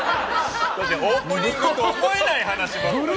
オープニングとは思えない話！